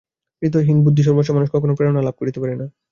হৃদয়হীন বুদ্ধিসর্বস্ব মানুষ কখনও প্রেরণা লাভ করিতে পারে না।